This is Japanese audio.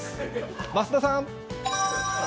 増田さーん。